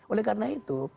oleh karena itu